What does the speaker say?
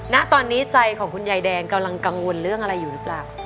ณตอนนี้ใจของคุณยายแดงกำลังกังวลเรื่องอะไรอยู่หรือเปล่า